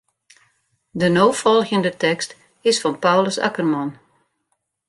De no folgjende tekst is fan Paulus Akkerman.